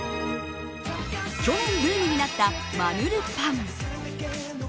去年ブームになったマヌルパン。